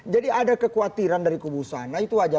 jadi ada kekhawatiran dari kubu sana itu aja